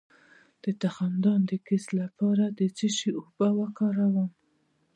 د تخمدان د کیست لپاره د څه شي اوبه وکاروم؟